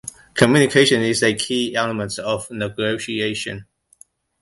Communication is a key element of negotiation.